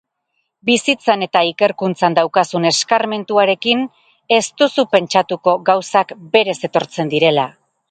Bizitzan eta ikerkuntzan daukazun eskarmentuarekin, ez duzu pentsatuko gauzak berez etortzen direla?